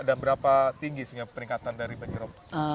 dan berapa tinggi sehingga peningkatan dari banjir rob